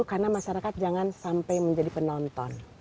karena masyarakat jangan sampai menjadi penonton